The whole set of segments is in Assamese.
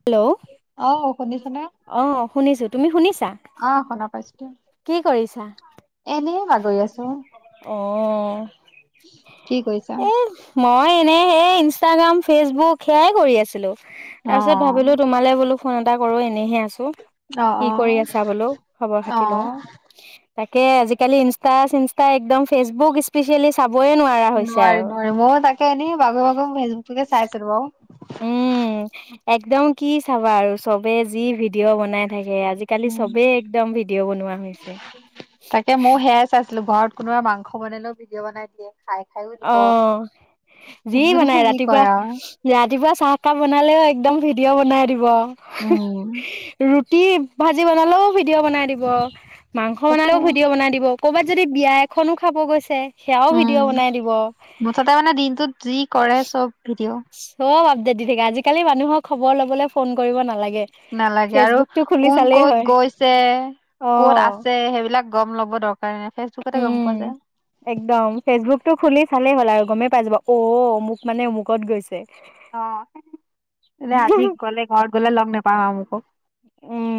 হেল্ল'। আহ অ শুনিছো। তুমি শুনিছা? অহ শুনা পাইছো দিয়া। এনে [unintelligible] অ'হ। কি কৰিছা? এই মই এনে হে ইনষ্টাগ্ৰাম ফেচবুক সেয়াই কৰি আছিলোঁ অ তাৰ পিছত ভাবিলো তোমালে বোলো ফোন এটা কৰো এনেহে আ আছো। অ কি অ কৰি আছা বোলো অ খবৰ-খাতি লওঁ তাকে আজিকালি ইনছ ইনষ্টা -চিনষ্টা একদম ফেচবুক স্পেচিয়েলি চাব নোৱাৰি- নোৱাৰি। ময়ো তাকে এনেই বাগৰি- বাগৰি ফেচবুককে চাই আছিলো বাৰু। উম একদম কি চাবা আৰু চবে যি ভিডিঅ' বনাই থাকে আজিকালি উম চবেই একদম ভিডিঅ' বনোৱা হৈছে। তাকে ময়ো সেয়াই চাইছিলো ঘৰত কোনোবা মাংস বনালেও ভিডিঅ বনাই দিয়ে। খাই খাইও দিব। অ'। যি যোনে বনাই যি ৰাতিপুৱা। কয় আৰু ৰাতিপুৱা চাহকাপ বনালেও একদম ভিডি- দিঅ' বনাই দিব। উম [unintelligible] কি ভাজি বনালেও ভিডিঅ' বনাই দিব মাংস তাকে বনালেও ভিডিঅ' বনাই দিব। ক'ৰবাত যদি বিয়া খনো খাব গৈছে। সেয়াও ভিডিঅ উম বনাই দিব। মুঠতে মানে দিনটোত যি কৰে চব ভিডিঅ' সব আপডেট দি থাকে আজিকালি মানুহৰ খবৰ লবলৈ ফোন কৰিব নালাগে নালাগে আৰু ফেচবুকটো খুলি কোন চালেই হয়। ক'ত গৈছে কত অ' আছে সেইবিলাক গম ল'ব দক। উম একদম ফেচবুকটো খুলি চালেই হ'ল আৰু গমেই পাই যাবা অ মোক মানে অমুকত গৈছে অ এ আজি গ'লে ঘৰত গ'লে লগ নোপাম আমুকক উম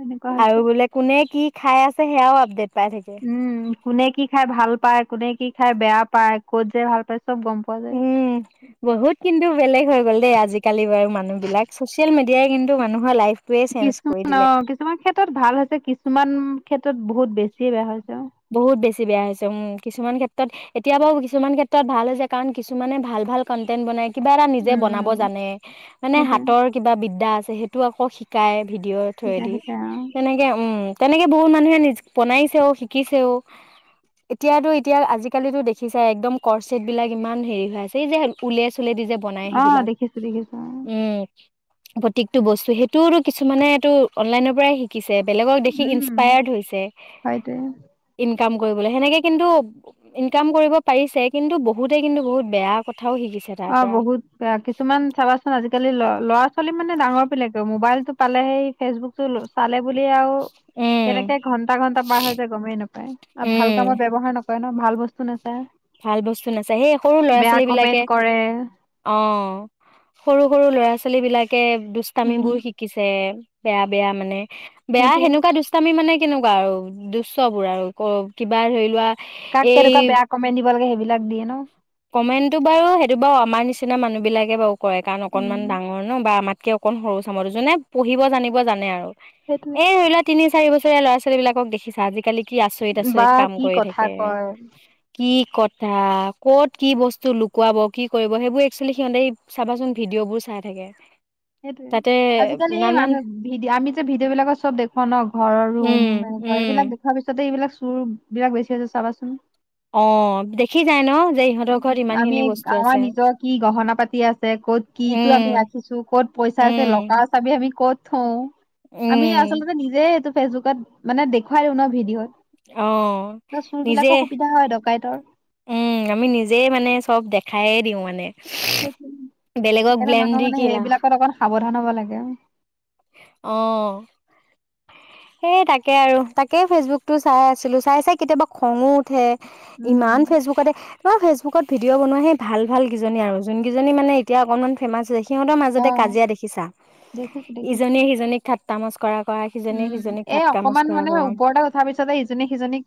এনেকুৱা আৰু হৈছে বোলে কোনে কি খাই আছে সেয়াও আপডেট পাই থাকে। উম কোনে কি খাই ভাল পায় কোনে কি খাই বেয়া পায় ক'ত যে ভাল পাই। উম বহুত কিন্তু বেলেগ হৈ গ'ল দেই আজিকালি বাৰু মানুহ বিলাক চচিয়েল মি দিয়াই কিন্তু মানুহৰ লাইফ কিছুমান অ কিছুমান ক্ষেত্ৰত ভাল হৈছে কিছুমান ক্ষেত্ৰত বহুত বেছিয়ে বেয়া হৈছে। বহুত বেছি বেয়া হৈছে উম কিছুমান ক্ষেত্ৰত এতিয়া বাৰু কিছুমান ক্ষেত্ৰত ভাল হৈছে কাৰণ কিছুমানে ভাল ভাল কন্টেন্ট বনাই কিবা এটা নিজে উম বনাব উম জানে মানে সেইটোৱে হাতৰ কিবা বিদ্যা যে সেইটো আকৌ শিকায় ভিডিঅ' শিকা থোৱেদি শিকা তেনেকে তেনেকে বহুত মানুহে নিজ বনাইছেও শিকি শিকিছেও এতিয়াতো এতিয়া আজিকালিটো দেখিছাই একদম কৰচট বিলাক ইমান হেৰি হৈ আছে এই যে উলে চুলে দি যে বনাই অ অ সেইবিলাক দেখিছো দেখিছো অ', উম প্ৰত্যেকটো বস্তু সেইটোওটো কিছুমানেটো অনলাইনৰ পৰাই শিকিছে বেলেগক দেখি উম ইনসপায়াৰ্ড হৈছে হয়তোৱে ইনকাম কৰিবলৈ সেনেকে কিন্তু ইনকাম কৰিব পাৰিছে কিন্তু বহুতে কিন্তু বহুত বেয়া কথা অ বহুত কিছুমান চাবাচোন আজি আজিকালি ল ল'ৰা ছোৱালী মানে ডাঙৰ বিলাকেও মোবাইলটো পালে সেই ফেচবুক টো চালে বুলি আৰু উম কেনেকে ঘন্টা ঘন্টা পাৰ হৈ যায় গমেই নাপায় আৰু ভাল কামত উম ব্যৱহাৰ নকৰে হয় ন ভাল বস্তু ন ভাল বস্তু নাচাই সেই সৰু ল'ৰা বেয়া ছোৱালী বিলাকে কমেন্ট কৰে অ সৰু সৰু ল'ৰা ছোৱালী বিলাকে কে দুষ্টামি উম বোৰ শিকিছে বেয়া বেয়া মানে। বেয়া সেইটোয়ে সেনেকুৱা দুষ্টামি মানে। কেনেকুৱা আৰু দুষ্ট বোৰ আৰু ক কিবা ধৰি লোৱা কাক কেনেকুৱা এই বেয়া কমেণ্ দিব লাগে সে লাগ দিয়ে ন? কমেণ্টটো বাৰু, সেইটো বাৰু, আমাৰ নিচিনা মানুহ বিলাকে বাৰু কৰে কাৰণ অকনমান উম ডাঙৰ ন বা আমাৰ কে অকন সৰু চামৰ যোনে পঢ়িব জানিব জানে আৰু। সেইটোয়ে এ ধৰি লোৱা তিনি চাৰি বছৰ ল'ৰা-ছোৱালবিলাকক দেখিছা আজিকালি কি বা আচৰিত-আচৰিত কাম কি কৰি কথা থাকে কয় কি কটা ক'ত কি বস্তু লুকুৱাব, কি কৰিব সেইবোৰ একচুৱেলি সিহঁতে চাবাচোন ভিডিঅ'বোৰ চাই থাকে। সেইটোয়ে তাতে আজিকালি এই নানান মানুহ ভিদি- আমি যে ভিডিঅ' বিলাকত চব দেখুৱা ন ঘৰৰ উম ৰুম উম এইবিলাক দেখুৱাৰ পিছতে এইবিলাক চোৰ বিৰাট হৈ আছে চাবাচোন? অ', দেখি যায় ন? যে ইহঁতৰ ঘৰত ইমান আমি খিনি বস্তু আমাৰ আছে নিজৰ কি গহনা-পাতি আছে, ক'ত কিটো আমি উম ৰাখিছো, ক'ত পইচা আছে উম লকাৰৰ চাবি আমি ক'ত থও উম আমি আচলতে নিজে এটো ফেচবুকত মানে দেখুৱাই দিওঁ ন ভিডিঅ'ত। অ', ত চোৰ নিজে বিলাকৰ সুবিধা হয় ডকাইতৰ উম আমি নিজে যে মানে চব দেখায়ে দিওঁ মানে। [unintelligible] বেলেগক সেইকাৰণে ব্লেম মানুহ দি মানে কি লাভ। সেইবিলাকত অকণ সাৱধান ধান হব লাগে। অহ। এ তাকে আৰু তাকে ফেচবুকতো চাই আছিলো, চাই-চাই কেতিয়াবা খং ও উঠে। ইমান উম ফেচবুকতে তোমাৰ ফেচবুকত ভিডিঅ' বনোৱা সেই ভাল ভালকেইজনী আৰু যোনকেইজনী মানে এতিয়া অকণমান ফেমাছ দেখি সিহঁতৰ অ মাজতে কাজিয়া দেখিছা দেখিছো দেখিছো ইজনীয়ে সিজনীক ঠাট্টা মচ কৰা-কৰা সিজনীয়ে উম সিজন এ অকমান মানে ওপৰতে উঠাৰ পিছতে ইজনী সিজনীক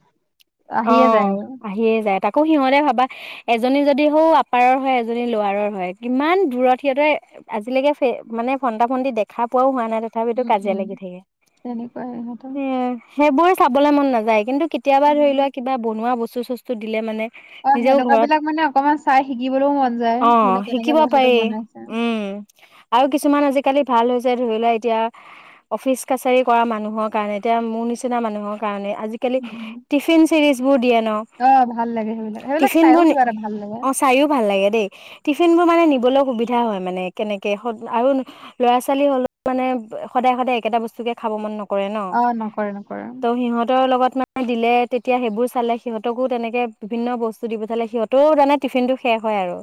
অ আহিয়ে যায় আৰু। আহিয়ে যায় তাকো সিহঁতে ভাবা এজনী যদি হৌ আপাৰৰ হয় এজনী লোৱাৰাৰৰ হয় কিমান দূৰত সিহঁতে আজিলৈকে মানে ফন্টা-ফণ্টি দেখা পোৱাও হোৱা নাই তথাপিতো উম কাজিয়া উম লাগি থাকে। তেনেকুৱাই সিহঁতৰ সেয়া সেবো চাবলৈ মন নাযায় কিন্তু কেতিয়াবা ধৰি উম লোৱা কিব বনোৱা বস্তু স্তু-চস্তু দিলে মানে অ', নিজেও সেনেকুৱা ঘৰত বিলাক মানে অকমান চাই শিকিবলৈও মন যায় অ বোলে কেনেকে শিকিব পাৰি বস্তুটো বনাইছে। কালি ভাল হৈছে। ধৰি লোৱা এতিয়া অফিচ কাছাৰী কৰা মানুহ মানুহৰ কাৰণে, এতিয়া মোৰ নিচিনা মানুহৰ কাৰণে আজিকালি উম উম টিফিন চিৰিজ বোৰ দিয়ে ন, অ ভাল লাগে সেইবিলাক সেইবিলাক টিফিন চাইও বোৰ কিবা এটা ভাল লাগে অঁ চাইও ভাল লাগে দেই। টিফিন বোৰ মানে নিবলৈ সুবিধা হয় মানে কেনেকে আৰু ল'ৰা ছোৱালী হ'লেও মানে সদায় সদায় একেটা বস্তুকে খাব মন নক কৰে ন, অ নকৰে নকৰে ত' সিহঁতৰ লগত [unintelligible] দিলে তেতিয়া সেইবোৰ চালে সিহঁতকো তেনেকৈ বিভিন্ন বস্তু দি পঠালে, সিহঁতেও তানে টিফিনটো শেষ হয় আৰু।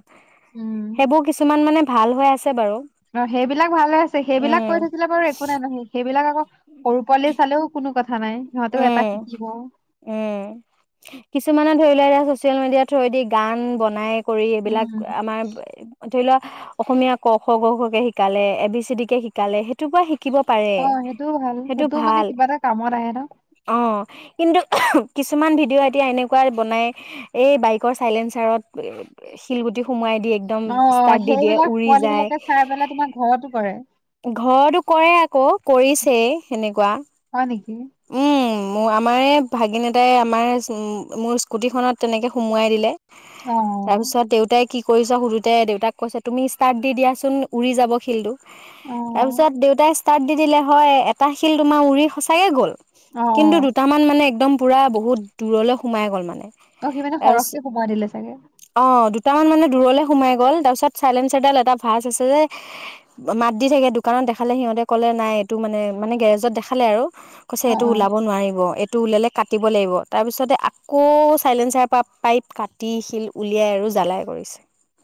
সেইবোৰ কিছুমান মানে ভাল হৈ আছে বাৰু অঁ সেইবিলাক ভাল হৈ আছে, সেইবিলাক উম কৈ থাকিলে বাৰু একো নাই নহয়, সেইবিলাক আকৌ সৰুৰ পোৱালিয়ে চালেও কোনো কথা কথা নাই, সিহঁতেও এটা উম শিকিব। উম [unintelligible] ছচিয়েল মিডিয়া থ্ৰুৱেদি গান বনাই কৰি এইবিলাক উম, আমাৰ ধৰি লোৱা অসমীয়া ক খ গ ঘ কে শিকালে, এ বি চি ডি কে শিকালে সেইটো পা শি শিকিব পাৰে অঁ সেইটোও ভাল, সেইটোও মানে কিবা এটা কামত আহে। ন অঁ, কিন্তু কিছুমান ভিডিঅ' এতিয়া এনেকুৱা বনাই, এই বাইকৰ চাইলেঞ্চাৰত শিলগুটি সোমোৱাই একদম অ ষ্টাৰ্ট দি দিয়ে, সেইবিলাক উৰি পোৱালী যায়, বিলাকে চাই পেলাই তোমাৰ ঘৰতো কৰে ঘৰতো কৰে আকৌ কৰি সেই সেনেকুৱা হয় নেকি। উম মোৰ আমাৰে ভাগিনতাই আমাৰ মোৰ স্কুটিখনত তেনেকে সুমোৱাই দিলে। অ তাৰপিছত দেউতাই কি কৰিছ সুধোতে দেউতাক কৈছে তুমি ষ্টাৰ্ট দি দিয়াচোন উৰি যাব শিলটো। অ তাৰপিছত দেউতাই ষ্টাৰ্ট দি দিলে হয়, এটা শিল তোমাৰ উৰি সঁচাকে গ'ল। অ অ কিন্তু দুটামান মানে একদম পোৰা বহুত দূৰলৈ সোমাই গ'ল মানে। অঁ সি মানে তাৰপিছত সৰহকে সোমাই দিলে চাগে। অ' দুটামান মানে দূৰলৈ সোমাই গ'ল, তাৰপিছত চাইলেঞ্চাৰডাল এটা ভাজ আছে যে মাত দি থাকে দোকানত দেখালে সিহঁতে ক'লে নাই এইটো মানে-মানে গেৰেজত দেখালে আৰু। কৈছে অ এইটো অ ওলাব নোৱাৰিব এই টো ওলালে কাটিব লাগিব, তাৰপিছতে আকৌ চাইলেঞ্চাৰ প পাইপ কাটি শিল উলিয়াই আৰু জ্বালাই কৰিছে।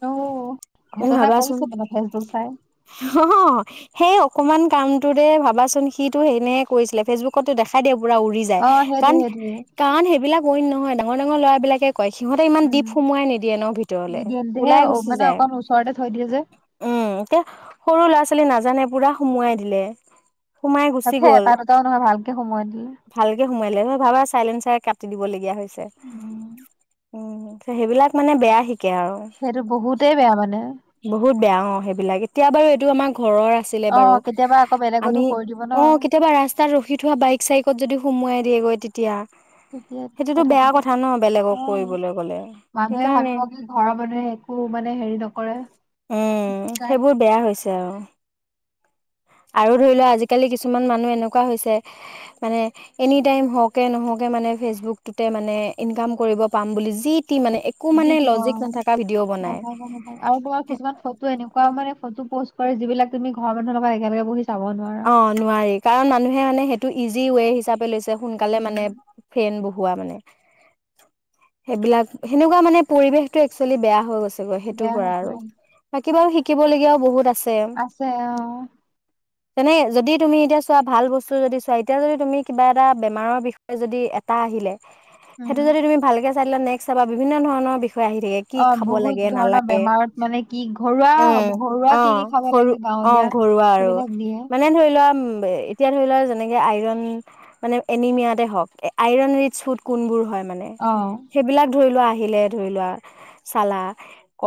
অঁ, তুমি ঘটনা কৰিছে মানে ফেচবুক চাই। অঁ হ, সেই অকমান কামটোৰে ভাবাচোন সিটো ইনেহে কৰিছিলে ফেচবুক কতে দেখাই দিয়ে উৰি যায়, অ সেইটোৱে সেইটোৱে কাৰণ-কাৰণ সেইবিলাক নহ ডাঙৰ ডাঙৰ লৰাবিলাকে কয় সিহঁতে ইমান উম দিপ সোমোৱাই নিদিয়ে ন ভিতৰলে নিদিয়ে নিদিয়ে ওলাই সেই গুচি মানে যায় অকণ ওচৰতে থৈ দিয়ে যে উম ত সৰু ল'ৰা ছোৱালী সেইফালে নাজানে পুৰা সুমোৱাই দিলে সোমাই গুচি তাকে গ'ল এটা দুটামান মানৰ মানুহ ভালকে সোমোআয় দিলে সোমাই লয় ভাবা চাইলেনঞ্চাৰ কাটি দিবলগীয়া হয় গৈছে ছে উম উম সেইবিলাক মানে বেয়া শিক আৰু সেইটো বহুতেই বেয়া মানে বহুত বেয়া অ সেইবিলাক এতিয়া বাৰু টো আমাক ঘৰৰ আছিলে বাৰু অ' কেতিয়াবা আকৌ বেলেগতো আমি কৰি দিব ন অ কেতিয়াবা ৰাস্তাত ৰখি দিও এক চাইকত যদি সোমোৱাই দিয়েগৈ তেতিয়া তেতিয়াই সেইটোতো বেয়া কথাটো কথা ন বেলেগক আহ কৰিবলৈ গ'লে মানুহে সেইকাৰণে ভাবিব কি ঘৰৰ মানুহে একো মানে হেৰি নকৰে শিকায় তেওঁৰ আৰু ধৰি লোৱা আজিকালি কিছুমান মানুহ এনেকুৱা হৈছে মানে এনি টাইম হওক এনেকে নহকে মানে ফেচবুকটোতে মানে ইনকাম কৰিব পাম বুলি যি টি মানে একো যি মানে দিয় লজিক নাথাকা ভিডিঅ' বনাই নাভাবে় আৰু তোমাৰ কিছুমান ফটো এনেকুৱা মানে ফটো পজ যিবিলাক তমি ঘৰ মানুহ লগ পৰা একেলগ বহি চাব নোৱাৰা অ নোৱাৰি কাৰণ মানুহে মানে সেইটো ইজি ৱে হিচাপে লৈছে সোনকালে উম মানে ফেন বহুত মানে সেইবিলাক সেনেকুৱা মানে পৰিবেশটো একচুৱেলি বেয়া হৈ গৈছে সেইটোৰ বেয়া পৰা হৈছে আৰু বেয়া হৈছে বাকী বাৰু সি শিকিব লগীয়া বহুত আছে আছে অহ তেনে যদি তুমি এতিয়া চোৱা ভাল বস্তু যদি চোৱা এতিয়া যদি তুমি কিবা এটা বেমাৰৰ বিষয়ে যদি এটা আহিলে উম সেইটো যদি তুমি ভালকে চাইল নেক্স চাবা বিভিন্ন ধৰণৰ বি়ষয় অ বহুত ধৰণৰ বেমাৰত মানে কি ঘৰুৱা উম, ঘৰুৱা কি কি অ', খাব ঘৰু লাগে অ', গাঁৱলীয়া ঘৰুৱা আৰু। সেইবিলাক দিয়ে মানে ধৰি লোৱা উম এতিয়া ধৰি লওক যেনেকৈ আইৰণ মানে এনিমিয়াতে হওক আইৰণ ৰিচ ফুড কোনবোৰ হয় মানে সেইবিলাক ধৰি লোৱা আহ আহিলে ধৰি লোৱা চালা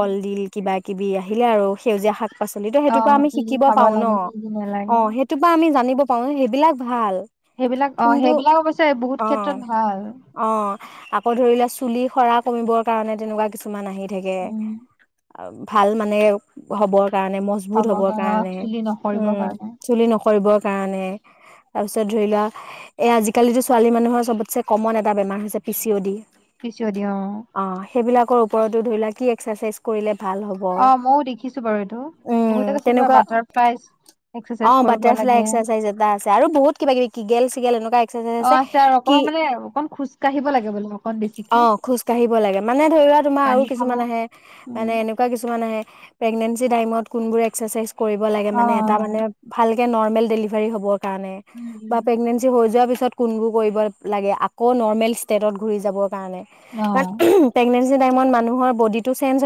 অ' কিবা কিবি আহিলে আৰু সেউজীয়া শাক পাচলিতো অ সেইটোৰ পৰা আমি কি কি শিকিব খাব পাওঁ ন লাগে কি কি অ নালাগে সেইটো বা আমি জানি পাও সেইবিলাক ভাল সেইবিলাক অ কিন্তু সেইবিলাক অৱশ্যে বহুত অ', ক্ষেত্ৰত ভাল অ', আকৌ ধৰিলেোৱা চুলি খৰা কমিবৰ কাৰণে তেনেকুৱা কিছুমান আহিল থাকে উম ভাল মানে হবৰ কাৰণে মজবুত খাবৰ হবৰ অ কাৰণে চুলি নসৰিবৰ উম কাৰণে চুলি নকৰিব কাৰণে তাৰপিছত ধৰি লোৱা এই আজিকালো ছোৱালী মানুহৰ চবতে কমন এটা বেমাৰ হৈছে P C O D P C O D অ সেইবিলাকৰ ওপৰতো ধৰি ললে কি এক্সাৰচাইজ কৰিলে ভাল হ'ব অ মইও দেখিছো বাৰু এইটো উম বহুতে কৈ চাকিবা তেনেকুৱা বাটাৰফ্লাইজ অ বাটাৰফ্লাই এক্সাৰচাইজ এটা আছে আৰু বহুত কিবা কিবি কিেল চিগ এনেকুৱা অ আছে আৰু কি অকমান মানে অকন খোজ কাঢ়িব লাগে বোলে অকন বেছিকে অ খোজ কাঢ়িব লাগে মানে ধৰা তোমাৰ আৰু পানী খাব কিছুমান আছে মানে উম এনেকুৱা কিছুমান আহে প্ৰেগনেটচি তাইমত কোনবোৰ একচাচাইজ ক কৰিব লাগে অ অ মানে টা মানে ভাল নৰ্মেল ডেলিভাৰী হ'ব ে উম বা উম প্ৰেগনেটচি হৈ যোৱা পা ব ল আকৌ নৰমেল ষ্টেটত ঘূৰী যাব ণে অ [unintelligible] প্ৰেগনেট াই মানুহৰ বডি চে্জ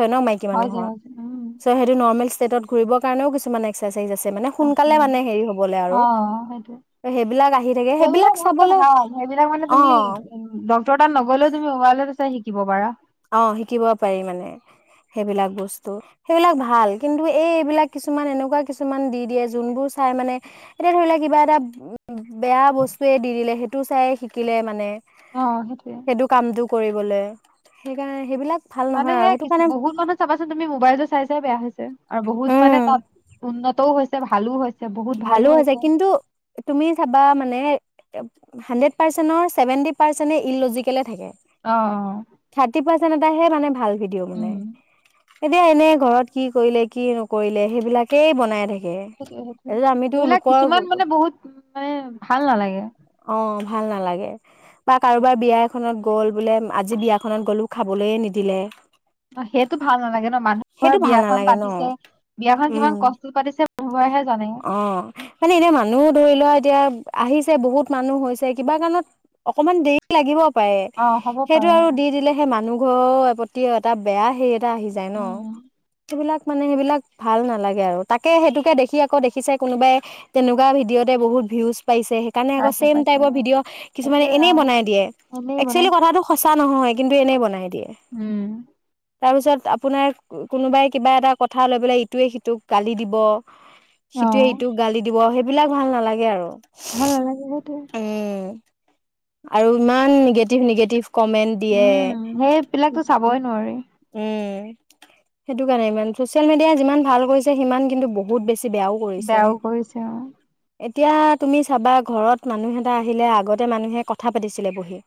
হয় যে হয় যে উম ম ম ষ্টেটতূৰিব কাৰণেও কিছুমান একচাৰচাইজছে অ সেইটো সেইবিলাক আহি থাকে সেইবিলাক সেইবাক অস্থ চাবলে ভাল সেইবিলাক মানে অ তুমি ডটৰ তাত নগলেও তুমি ৱাই চাই শ শাকিব পাৰা অ শিকিব পাৰি মানে সেইবিলাক বস্তু সেইবিলাক ভাল কিন্তু এই এইবিলাক কিছুমান এনেকুৱা কিছুমান দি দিয়ে যোনবোৰ চাই মানে এতিয়া ধৰি লোৱা কিবা এটা বেয়া বস্তুৱয়ে দি দিলে সেইটো চাই শিকিলে মানে অ সেইটোৱে কৰিবলে সেইকাৰণে সেইবিলাক ভাল মানে নহয় আৰু হে সেইটো কিছু কাৰণে বহুত মানুহ চাবাচোন তুমি মোবাইলতটো চাই চাই বেয়া হৈছে আৰু বহুত মানে উম তাত উন্নতও হৈছে ভালো হৈছে। ভালো হৈছে কিন্তু তুমি চাবা মানে হান্দ্ৰেদ পাৰ্চেন্তৰ ছেভেন্টি পাৰ্চেন্টে ইলজিকেলে থাকে। আহ অ এ হে মানে ভাল ভিডিঅ' মানে উম এতিয়া এনে ঘৰত কি কৰিলে কি নকৰিলে সেইবিলাকেই বনাই থাকে। উ তাৰপিছত আমিতো সেইবিলাক কিছুমান লোকৰ মানে বহুত মানে ভাল নালাগে। অ', ভাল নালাগে বা কাৰোবাৰ বিয়া এখনত গ'ল বোলে আজি বিয়াখনত গ'লো খাবলৈয়ে নিদিলে অ সেইটো ভাল নালাগে ন। মানুহ ঘৰ সেইটো ভাল বিয়াখন নালাগে ন পাতিছে বিয়াখন উম কিমান কষ্টত পাতিছে। হয়। অ মানে এনে মানুহ ধৰি লোৱা। এতিয়া আহিছে বহুত মানুহ হৈছে কিবা কাৰণত অকমান দেৰি লাগিব। পায়ে অ হ'ব সেইটো পাৰে আৰু দি দিলে সেই মানুহ ঘ এ প্ৰতি এটা বেয়া হে এটা আহি যায় ন উম সেইবিলাক মানে সেইবিলাক ভাল নালাগে আৰু তাকে সেইটোকে দেখি ক দেখিছে কোনোবাই তেনেকুৱা ভিডিঅ'তে বহুত ভিউজ সেইকাৰণে আকৌ পাইছে চেইম পাইছে টাইপৰ অ ভিডিঅ' কিছুমানে একেই অ এনেই বনাই দিয়ে এনেই একচুৱেলী বনাই কথাটো সঁচা নহয়। কিন্তু এনেই বনাই উম তাৰ পিছত আপোনাৰ কোনোবাই কিবা এটা কথা লৈ পেলাই ইটোৱে সিটোক গালি দিব। অ সিটোৱে ইটোক গালি দিবহে এই বিলাক ভাল নালাগে আৰু ভাল নালাগে সেইটোৱে উম আৰু ইমান নিগেটিভ নিগেটিভ কমেন্ট দিয়ে উম সেইবিলাকতো চাবই নোৱাৰি উম সেইটো কাৰণে ইমান চচিয়েল মিডিয়াই যিমান ভাল কৰিছে সিমান কিন্তু বহুত বেছি বেয়াও কৰিছে বেয়াও কৰিছে অ এতিয়া তুমি চাবা ঘৰত মানুহ এটা আহিলে আগতে মানুহে কথা পাতিছিলে বহি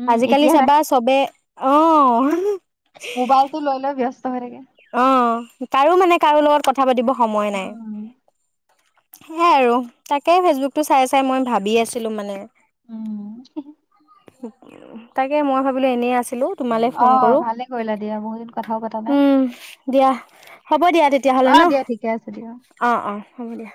উম এতিয়া আজিকালি নাই চাবা চবে অহ হেহে মোবাইলটো লৈ লৈ ব্যস্ত পাহৰি থাকে অ তাৰো মানে কাৰো লগত কথা পাতিব সময় নাই উম সেইয়াই আৰু তাকে ফেচবুকটো চাই চাই মই ভাবি আছিলো মানে উম তাকে মই ভাবিলো এনেই আছিলো তোমালে অ ফোন কৰো ভালে কৰিলা দিয়া বহুত দিন কথাও পতা নাই উম দিয়া হ'ব দিয়া তেতিয়াহ'লে অ ন দিয়া ঠিকে আছে দিয়া অ অ হ'ব দিয়া